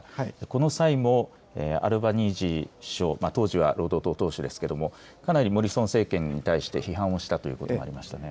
この際もアルバニージー首相、当時は労働党党首ですけれども、かなりモリソン政権に対して、批判をしたということがありましたね。